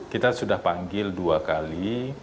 kita sudah panggil dua kali